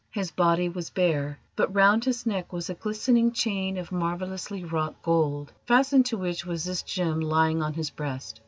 His body was bare, but round his neck was a glistening chain of marvellously wrought gold, fastened to which was this gem lying on his breast.